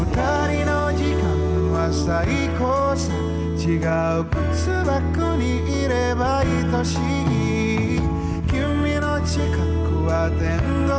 kami sudah berusaha untuk memperbaiki kota indonesia dengan cara yang berbeda